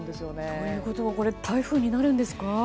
ということは台風になるんですか？